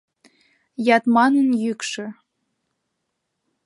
Ятманын йӱкшӧ.